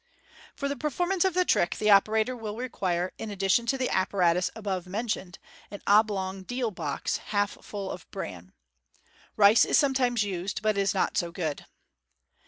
For the performance of the trick the operator will require, in addi tion to the apparatus above mentioned, an obl< ng deal box, half full of bran. (Rice is sometimes used, but is not so good.)